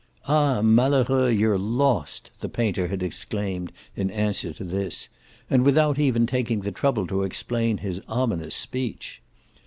"Ah malheureux, you're lost!" the painter had exclaimed in answer to this, and without even taking the trouble to explain his ominous speech.